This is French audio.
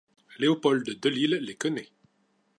Léopold Delisle les connaît.